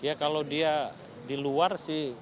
ya kalau dia di luar sih